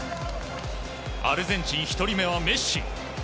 アルゼンチン、１人目はメッシ。